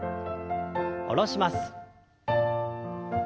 下ろします。